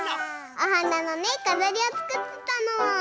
おはなのねかざりをつくってたの。